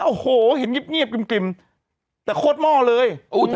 โอ้โหเห็นเงียบกริ่มแต่โคตรหม้อเลย